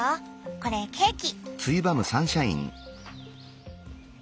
これケーキ。